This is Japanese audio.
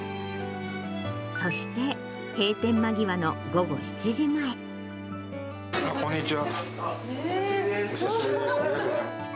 そして、閉店間際の午後７時こんにちは。